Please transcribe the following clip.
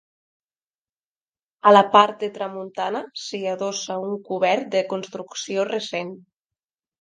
A la part de tramuntana s'hi adossa un cobert de construcció recent.